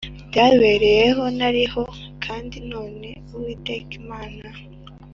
byabereyeho nariho kandi none Uwiteka Imana